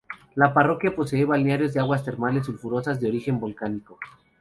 La parroquia posee balnearios de aguas termales sulfurosas de origen volcánico.